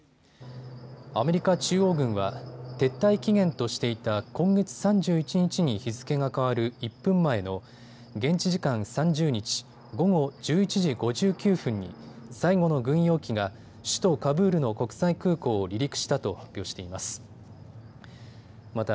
アメリカ中央軍は撤退期限としていた今月３１日に日付が変わる１分前の現地時間３０日午後１１時５９分に最後の軍用機が首都カブールの国際空港を離陸したと発表しています。